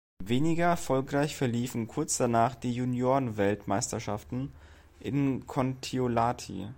Weniger erfolgreich verliefen kurz danach die Junioren-Weltmeisterschaften in Kontiolahti.